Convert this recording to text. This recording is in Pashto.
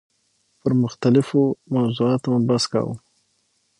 پر مختلفو موضوعاتو مو بحث کاوه.